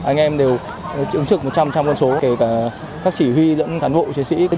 anh em đều ứng trực một trăm linh con số kể cả các chỉ huy các cán bộ chiến sĩ